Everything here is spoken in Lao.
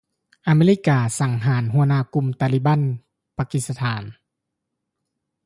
ອາເມລິກາ ສັງຫານ ຫົວຫນ້າກຸ່ມຕາລີບັນປາກິດສະຖານ